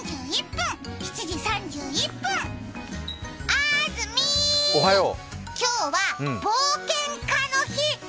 あーずみ、今日は冒険家の日。